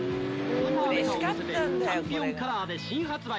チャンピオンカラーで新発売。